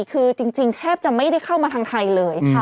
คือจริงแทบจะไม่ได้เข้ามาทางไทยเลย